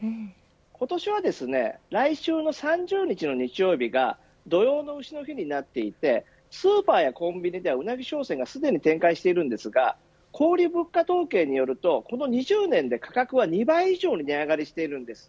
今年は来週の３０日の日曜日が土用の丑の日になっていてスーパーやコンビニではウナギ商戦がすでに展開していますが小売物価統計によるとこの２０年で価格は２倍以上に値上がりしているんです。